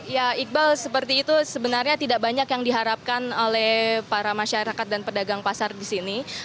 ya iqbal seperti itu sebenarnya tidak banyak yang diharapkan oleh para masyarakat dan pedagang pasar di sini